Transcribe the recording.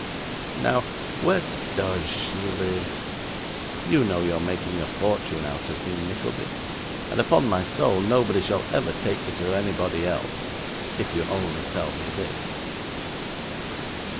Now, where DOES she live? You know you're making a fortune out of me, Nickleby, and upon my soul nobody shall ever take me to anybody else, if you only tell me this.